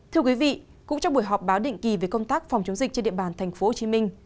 thưa quý vị cũng trong buổi họp báo định kỳ về công tác phòng chống dịch trên địa bàn tp hcm